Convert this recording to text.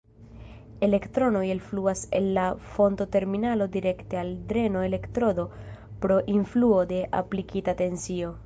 Elektronoj elfluas el la fonto-terminalo direkte al la dreno-elektrodo pro influo de aplikita tensio.